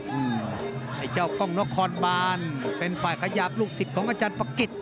ไอ้เจ้ากล้องนครบานเป็นฝ่ายขยับลูกศิษย์ของอาจารย์ปะกิจ